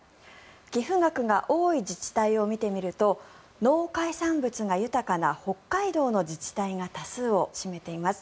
寄付額が多い自治体を見てみると農海産物が豊かな北海道の自治体が多数を占めています。